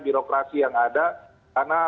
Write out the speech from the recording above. birokrasi yang ada karena